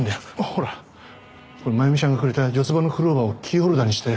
ほらこれ真弓ちゃんがくれた四つ葉のクローバーをキーホルダーにしたやつ。